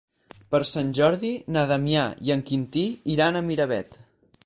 Per Sant Jordi na Damià i en Quintí iran a Miravet.